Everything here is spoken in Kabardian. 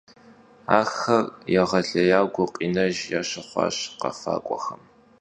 Axer yêğelêyaue gukhinejj yaşıxhuaş khefak'uexem.